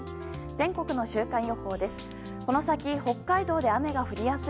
全国の週間予報です。